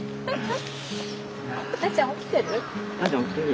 なーちゃん起きてる？